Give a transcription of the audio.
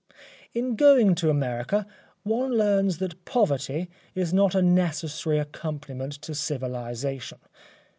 In going to America one learns that poverty is not a necessary accompaniment to civilisation.